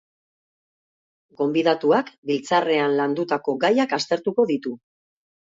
Gonbidatuak, biltzarrean landutako gaiak aztertuko ditu.